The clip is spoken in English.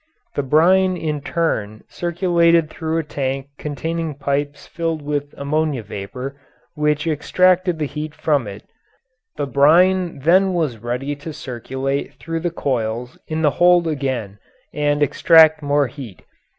The brine in turn circulated through a tank containing pipes filled with ammonia vapour which extracted the heat from it; the brine then was ready to circulate through the coils in the hold again and extract more heat.